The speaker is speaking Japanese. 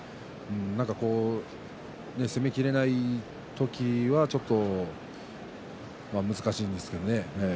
なんかこう攻めきれない時はちょっと難しいですけどね。